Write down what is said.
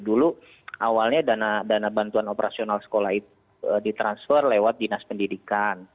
dulu awalnya dana bantuan operasional sekolah itu ditransfer lewat dinas pendidikan